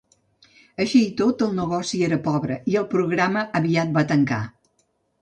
Així i tot, el negoci era pobre i el programa aviat va tancar.